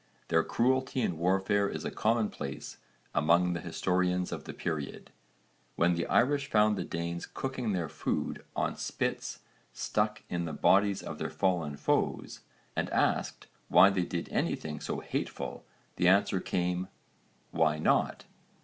Their cruelty in warfare is a commonplace among the historians of the period. When the Irish found the Danes cooking their food on spits stuck in the bodies of their fallen foes (v. supra, p. 55) and asked why they did anything so hateful, the answer came 'Why not?